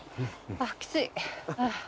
ああきつい。